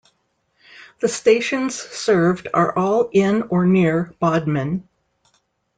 The stations served are all in or near Bodmin.